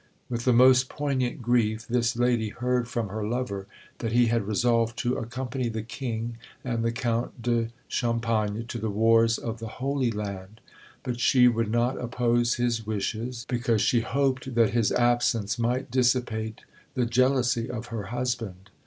With the most poignant grief this lady heard from her lover, that he had resolved to accompany the king and the Count de Champagne to the wars of the Holy Land; but she would not oppose his wishes, because she hoped that his absence might dissipate the jealousy of her husband.